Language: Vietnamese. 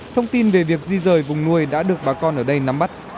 thông tin về việc di rời vùng nuôi đã được bà con ở đây nắm bắt